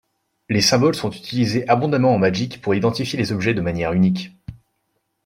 Les symboles sont utilisés abondamment en Magik pour identifier les objets de manière unique.